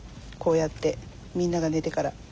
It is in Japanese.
こうやってみんなが寝てから。